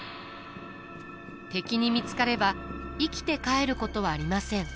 敵に見つかれば生きて帰ることはありません。